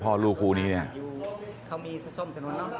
เพราะลูกคู่นี้เนี่ย